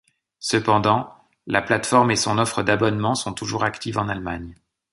Cependant, la plateforme et son offre d'abonnement sont toujours actives en Allemagne.